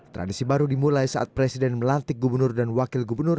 tradisi baru dimulai saat presiden melantik gubernur dan wakil gubernur